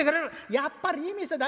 やっぱりいい店だ。